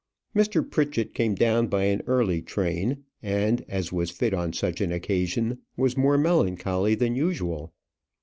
Mr. Pritchett came down by an early train, and, as was fit on such an occasion, was more melancholy than usual.